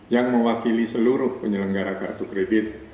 yang mewakili seluruh penyelenggara kartu kredit